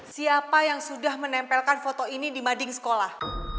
siapa yang sudah menempelkan foto ini di mading sekolah